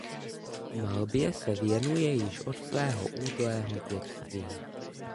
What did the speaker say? Malbě se věnuje již od svého útlého dětství.